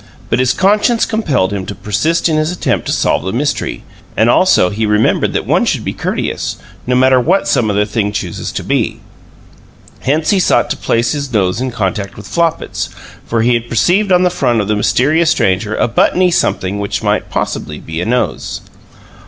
But his conscience compelled him to persist in his attempt to solve the mystery; and also he remembered that one should be courteous, no matter what some other thing chooses to be. Hence he sought to place his nose in contact with Flopit's, for he had perceived on the front of the mysterious stranger a buttony something which might possibly be a nose.